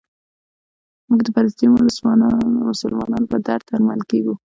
موږ د فلسطیني مسلمانانو په درد دردمند کېږو.